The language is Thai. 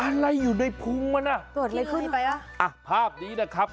อะไรอยู่ในพุงมันอ่ะเกิดอะไรขึ้นไปอ่ะอ่ะภาพนี้นะครับ